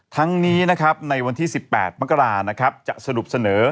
ทั้งนี้ในวันที่๑๘มกราจะสรุปเสนอ